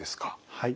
はい。